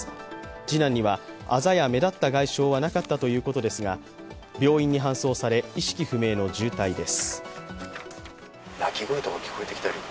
次男にはあざや目立った外傷はなかったということですが病院に搬送され、意識不明の重体です。